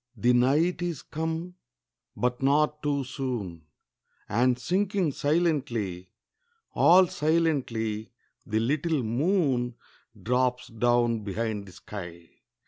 The night is come, but not too soon; And sinking silently, All silently, the little moon Drops down behind the sky.